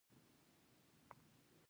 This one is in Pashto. دا لومړی مبنا یا بنسټ دی.